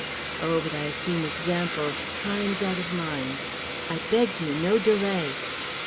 Oh, but I have seen examples times out of mind. I beg you, no delay!"